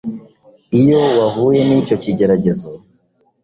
Iyo wahuye n’icyo kigeragezo,